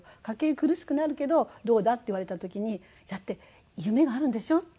「家計苦しくなるけどどうだ？」って言われた時に「だって夢があるんでしょ？